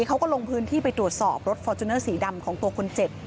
เขาก็ลงพื้นที่ไปตรวจสอบรถฟอร์จูเนอร์สีดำของตัวคนเจ็บ